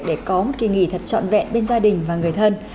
để có một kỳ nghỉ thật trọn vẹn bên gia đình và người thân